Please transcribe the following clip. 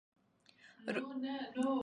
روسو نظریه ټولنیز تړون دئ.